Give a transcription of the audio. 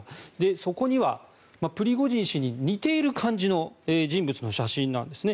そこにはプリゴジン氏に似ている感じの人物の写真なんですね。